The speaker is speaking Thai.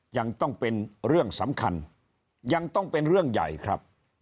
ยังต้องเป็นเรื่องสำคัญยังต้องเป็นเรื่องใหญ่ครับ